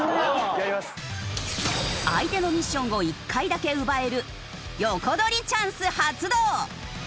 相手のミッションを一回だけ奪える横取りチャンス発動！